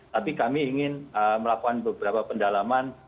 tapi kami ingin melakukan beberapa pendalaman